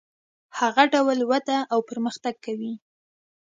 هغه ډول وده او پرمختګ کوي.